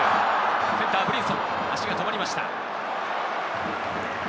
センター、ブリンソン、足が止まりました。